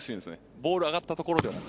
ボールが上がったところではなく。